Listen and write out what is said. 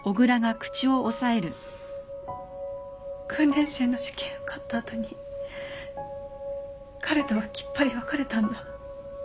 訓練生の試験受かった後に彼とはきっぱり別れたんだ。